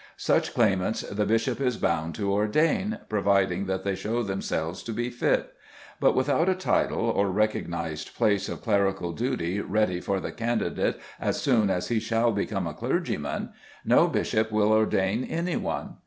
Such claimants the bishop is bound to ordain, providing that they show themselves to be fit; but without a title, or recognized place of clerical duty ready for the candidate as soon as he shall become a clergyman, no bishop will ordain any one.